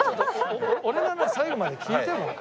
俺の話最後まで聞いてもう。